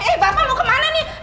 eh bapak mau kemana nih